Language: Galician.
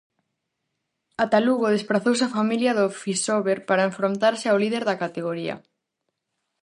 Ata Lugo desprazouse a familia do Fisober para enfrontarse ao líder da categoría.